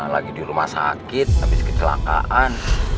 lagi di rumah sakit habis kecelakaan